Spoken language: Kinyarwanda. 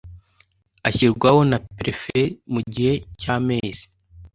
ashyirwaho na Perefe mugihe cy’amezi